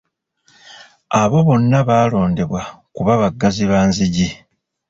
Abo bonna baalondebwa kuba baggazi ba nzigi.